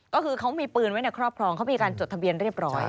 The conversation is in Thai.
ก็คือเขามีปืนไว้ในครอบครองเขามีการจดทะเบียนเรียบร้อย